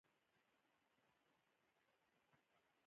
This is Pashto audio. هغه د کيسو په ويلو سره انګېزه واخيسته.